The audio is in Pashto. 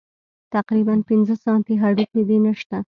تقريباً پينځه سانتۍ هډوکى دې نشته.